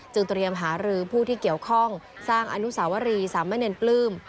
เตรียมหารือผู้ที่เกี่ยวข้องสร้างอนุสาวรีสามเณรปลื้ม